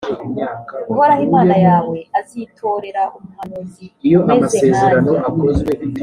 uhoraho imana yawe azitorera umuhanuzi umeze nkanjye,